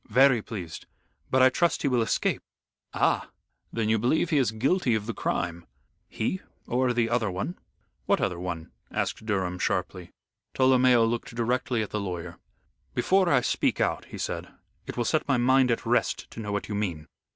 "Very pleased. But I trust he will escape." "Ah! Then you believe he is guilty of the crime." "He or the other one." "What other one?" asked Durham, sharply. Tolomeo looked directly at the lawyer. "Before I speak out," he said, "it will set my mind at rest to know what you mean."